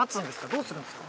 どうするんですか？